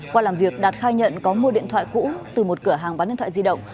qua làm việc đạt khai nhận có mua điện thoại cũ từ một cửa hàng bán điện thoại di động